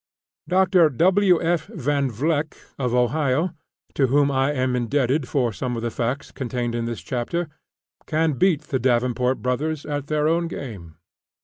Dr. W. F. Van Vleck, of Ohio, to whom I am indebted for some of the facts contained in this chapter, can beat the Davenport brothers at their own game.